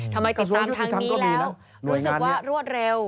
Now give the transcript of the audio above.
ทำไมติดตามทางนี้แล้วก็รวยหักรวดเร็ว